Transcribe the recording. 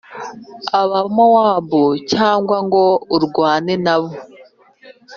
abamowabu cyangwa ngo urwane na bo,